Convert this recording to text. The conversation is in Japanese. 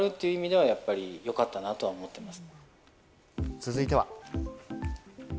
続いては。